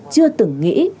chưa từng nghĩ